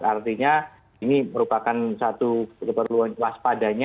artinya ini merupakan satu keperluan waspadanya